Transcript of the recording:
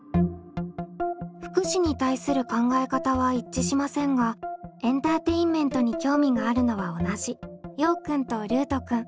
「福祉」に対する考え方は一致しませんがエンターテインメントに興味があるのは同じようくんとルートくん。